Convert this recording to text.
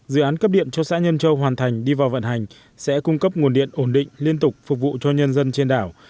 dự án cấp điện cho xã nhân châu hoàn thành đi vào vận hành sẽ cung cấp nguồn điện ổn định liên tục phục vụ cho nhân dân trên đảo